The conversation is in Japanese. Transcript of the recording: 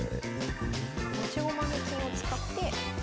持ち駒の金を使って。